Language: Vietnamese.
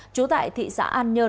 trú tại thị xã an nhơ